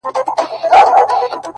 زما ځوانمرگ وماته وايي ـ